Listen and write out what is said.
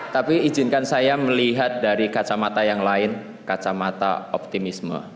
tapi izinkan saya melihat dari kacamata yang lain kacamata optimisme